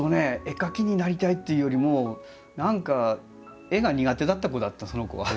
絵描きになりたいっていうよりも何か絵が苦手だった子だったその子は。